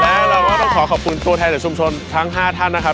แล้วเราก็ต้องขอขอบคุณตัวแทนจากชุมชนทั้ง๕ท่านนะครับ